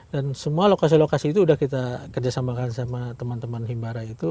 semua lokasi lokasi itu sudah kita kerjasamakan sama teman teman himbara itu